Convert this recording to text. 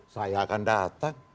saya akan datang